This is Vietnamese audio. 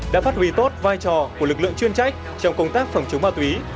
đã phát huy tốt vai trò của lực lượng chuyên trách trong công tác phòng chống ma túy